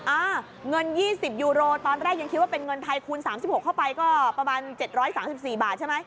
อ่าเงิน๒๐ยูโรตอนแรกยังคิดว่าเป็นเงินไทยคูณ๓๖เข้าไปก็ประมาณ๗๓๔บาทใช่ไหม